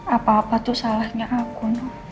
apa apa tuh salahnya aku